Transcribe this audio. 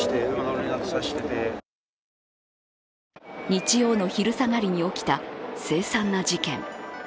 日曜の昼下がりに起きた凄惨な事件。